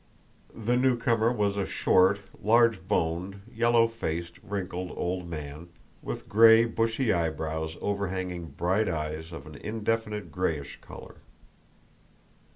The newcomer was a short, large boned, yellow faced, wrinkled old man, with gray bushy eyebrows overhanging bright eyes of an indefinite grayish color.